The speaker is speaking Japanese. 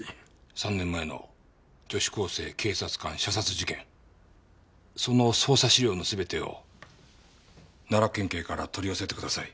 ３年前の女子高生・警察官射殺事件その捜査資料の全てを奈良県警から取り寄せてください。